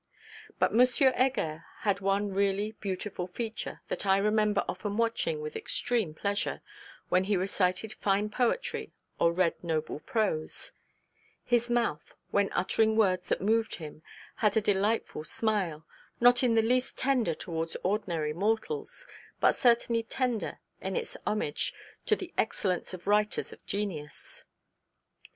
But Monsieur Heger had one really beautiful feature, that I remember often watching with extreme pleasure when he recited fine poetry or read noble prose: his mouth, when uttering words that moved him, had a delightful smile, not in the least tender towards ordinary mortals, but almost tender in its homage to the excellence of writers of genius.